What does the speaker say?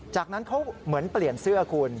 จากนั้นเขาเหมือนเปลี่ยนเสื้อคุณ